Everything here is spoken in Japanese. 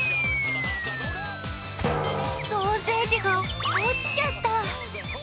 ソーセージが落ちちゃった。